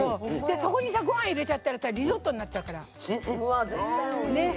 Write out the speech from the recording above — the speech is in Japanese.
ごはん入れちゃったらリゾットになっちゃうから。